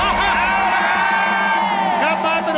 โอบอตตอมหาสนุก